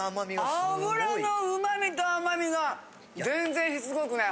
脂の旨みと甘みが全然しつこくない。